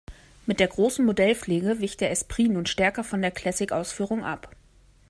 Mit der großen Modellpflege wich der Esprit nun stärker von der Classic-Ausführung ab.